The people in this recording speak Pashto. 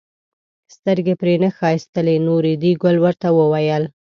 سترګې پرې نه ښایستلې نو ریډي ګل ورته وویل.